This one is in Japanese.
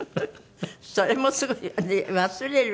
それもすぐに忘れる？